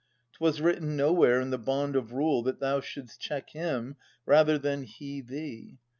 'Twas written nowhere in the bond of rule That thou shouldst check him rather than he thee.